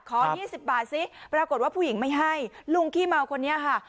๒๐บาทซิปรากฏว่าผู้หญิงไม่ให้ลุงขี้เมาคนนี้ค่ะ